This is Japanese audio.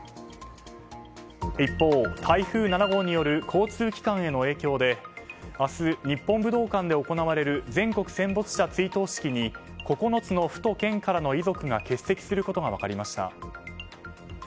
一方、台風７号による交通機関への影響で明日、日本武道館で行われる全国戦没者追悼式に９つの府と県からの遺族が欠席することが分かりました。